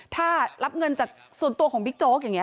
ถ้ารับเงินจากส่วนตัวของบิ๊กโจ๊กอย่างนี้